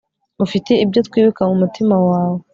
ufite ibyo twibuka mu mutima wawe